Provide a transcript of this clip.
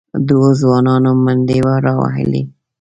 دوو ځوانانو منډې راوهلې،